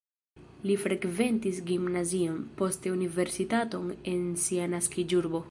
Li frekventis gimnazion, poste universitaton en sia naskiĝurbo.